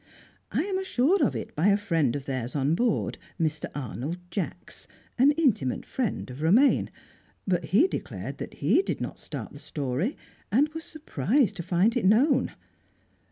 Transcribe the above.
I am assured of it by a friend of theirs on board, Mr. Arnold Jacks, an intimate friend of Romaine; but he declared that he did not start the story, and was surprised to find it known.